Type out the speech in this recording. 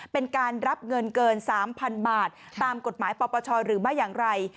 เป็นการรับเงินเกิน๓๐๐๐บาทตามกฎหมายปปชหรือไม่อย่างไร